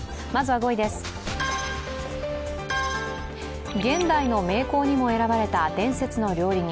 ５位です、現代の名工にも選ばれた伝説の料理人。